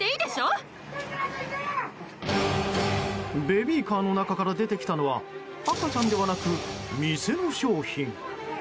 ベビーカーの中から出てきたのは赤ちゃんではなく店の商品。